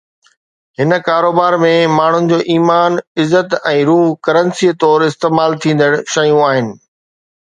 هن ڪاروبار ۾، ماڻهن جو ايمان، عزت ۽ روح ڪرنسي طور استعمال ٿيندڙ شيون آهن.